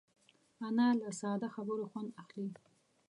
انا له ساده خبرو خوند اخلي